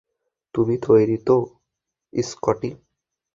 তুমি তৈরি তো, স্কটি?